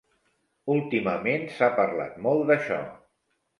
Últimament s'ha parlat molt d'això.